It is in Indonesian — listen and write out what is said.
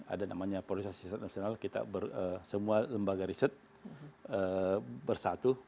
ada namanya polarisasi riset nasional kita semua lembaga riset bersatu